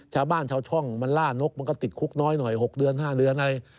ชาวบ้านชาวช่องมันล่านกมันก็ติดคุกน้อยหน่อย๖เดือน๕เดือนอะไร